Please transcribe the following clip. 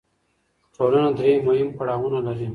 ټولنه درې مهم پړاوونه لري.